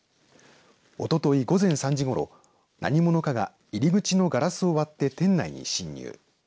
おととい午前３時ごろ何者かが入り口のガラスを割って店内に侵入。